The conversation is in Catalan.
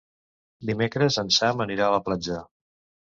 Dimecres en Sam anirà a la platja.